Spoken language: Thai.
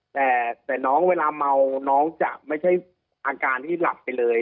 แต่น้องเวลาเมาน้องจะไม่ใช่อาการที่หลับไปเลย